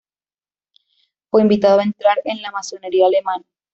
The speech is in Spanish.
Fue invitado a entrar en la masonería alemana.